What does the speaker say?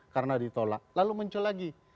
karena ditolak lalu muncul lagi